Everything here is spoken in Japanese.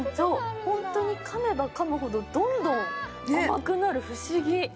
ホントにかめばかむほどどんどん甘くなる、不思議。